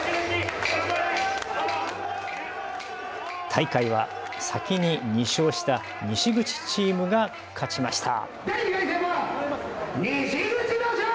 大会は先に２勝した西口チームが勝ちました。